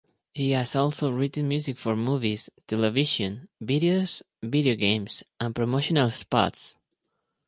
He has also written music for movies, television, videos, video games and promotional spots.